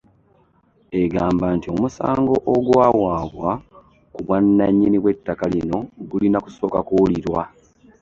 Egamba nti omusango ogwawabwa ku bwannannyini bw'ettaka lino gulina kusooka kuwulirwa